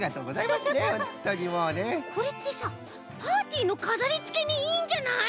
これってさパーティーのかざりつけにいいんじゃない？